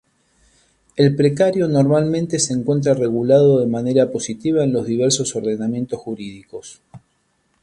El precario normalmente se encuentra regulado de manera positiva en los diversos ordenamientos jurídicos.